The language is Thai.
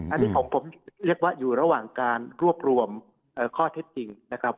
อันนี้ของผมเรียกว่าอยู่ระหว่างการรวบรวมข้อเท็จจริงนะครับ